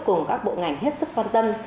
cùng các bộ ngành hết sức quan tâm